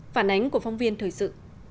phản ánh của phóng viên thời sự